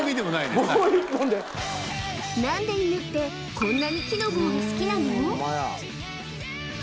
棒１本で何で犬ってこんなに木の棒が好きなの？